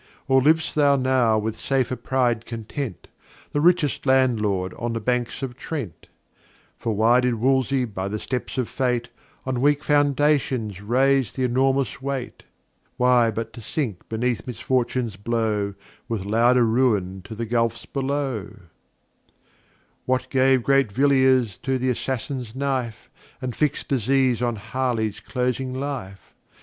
Or liv'st thou now, with safer Pride content, The richest Landlord on the Banks of Trent? For why did Wolsey by the Steps of Fate, On weak Foundations raise th' enormous Weight? Why but to sink beneath Misfortune's Blow, With louder Ruin to the Gulphs below? What[f] gave great Villiers to th' Assassin's Knife, And fix'd Disease on Harley's closing Life?